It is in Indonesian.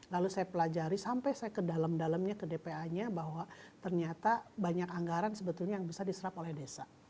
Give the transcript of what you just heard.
lalu saya pelajari sampai saya ke dalam dalamnya ke dpa nya bahwa ternyata banyak anggaran sebetulnya yang bisa diserap oleh desa